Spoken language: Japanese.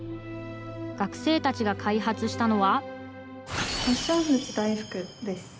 学生たちが開発したのは。